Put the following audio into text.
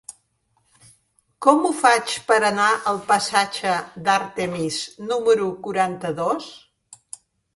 Com ho faig per anar al passatge d'Artemis número quaranta-dos?